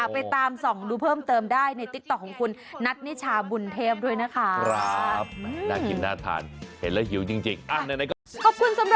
ไปตามส่องดูเพิ่มเติมได้ในติ๊กต๊อกของคุณนัทนิชาบุญเทพด้วยนะคะ